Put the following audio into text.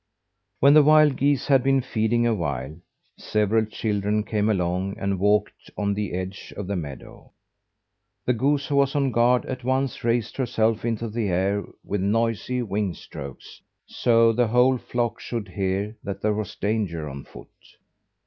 When the wild geese had been feeding a while, several children came along, and walked on the edge of the meadow. The goose who was on guard at once raised herself into the air with noisy wing strokes, so the whole flock should hear that there was danger on foot.